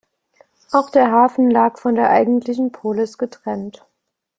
Auch der Hafen lag von der eigentlichen Polis getrennt.